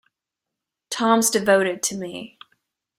Tom's devoted to me.